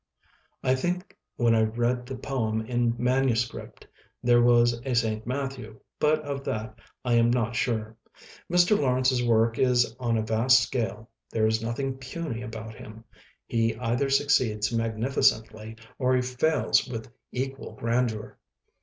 I think, when I read the poem in manuscript, there was a "Saint Matthew", but of that I am not sure. Mr. Lawrence's work is on a vast scale, there is nothing puny about him, he either succeeds magnificently, or he fails with equal grandeur.